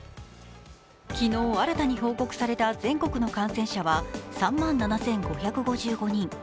昨日、新たに報告された全国の感染者は３万７５５５人。